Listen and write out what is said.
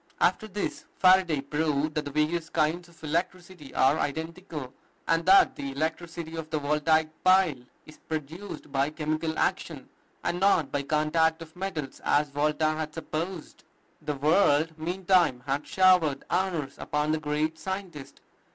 After this, Faraday proved that the various kinds of electricity are identical; and that the electricity of the Voltaic pile is produced by chemical action, and not by contact of metals, as Volta had supposed. The world meantime had showered honors upon the great scientist.